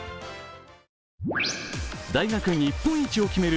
大学日本一を決める